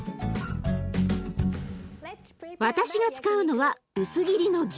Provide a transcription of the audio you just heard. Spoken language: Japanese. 私が使うのは薄切りの牛肉。